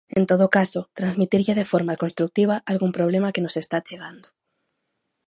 En todo caso, transmitirlle de forma construtiva algún problema que nos está chegando.